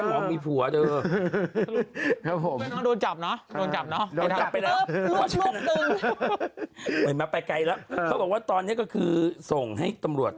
เหมือนมาไปไกลแล้วเขาบอกว่าตอนนี้ก็คือส่งให้ตำรวจ